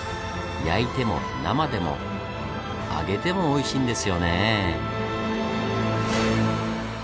焼いても生でも揚げてもおいしいんですよね！